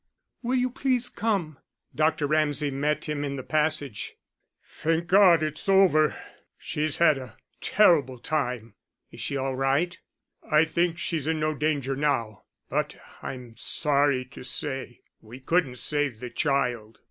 "Will you please come." Dr. Ramsay met him in the passage. "Thank God, it's over. She's had a terrible time." "Is she all right?" "I think she's in no danger now but I'm sorry to say we couldn't save the child."